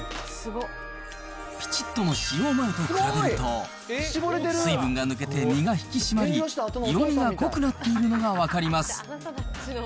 ピチットの使用前と比べると、水分が抜けて身が引き締まり、色味が濃くなっているのが分かります。